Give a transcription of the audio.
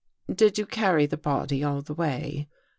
"Did you carry the body all the way?"